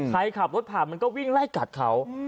ใครขับรถผ่านมันก็วิ่งไล่กัดเขา